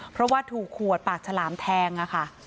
เพราะว่าถูกขวดปากฉลามแทงค่ะ